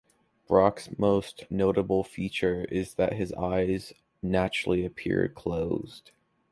Brock's most notable feature is that his eyes naturally appear closed.